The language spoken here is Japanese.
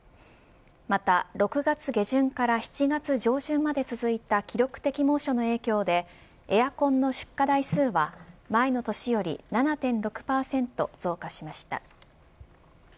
また６月下旬から７月上旬まで続いた記録的猛暑の影響でエアコンの出荷台数は前の年より７．６％増加しました。